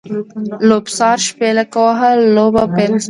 لوبڅار شپېلک ووهه؛ لوبه پیل شوه.